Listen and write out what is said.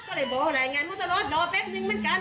ก็เลยบอกว่ารายงานมาตลอดรอแป๊บนึงเหมือนกัน